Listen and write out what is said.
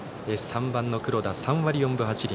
３番の黒田は３割４分８厘。